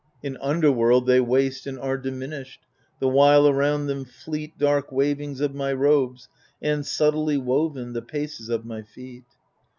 In underworld they waste and are diminished, The while around them fleet Dark wavings of my robes, and, subtly woven, The paces of my feet.